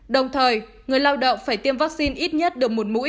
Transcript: đồng thời người lao động phải tiêm vaccine ít nhất được một mũi sau một mươi bốn ngày